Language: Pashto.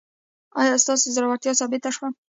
ایا ستاسو زړورتیا ثابته شوه؟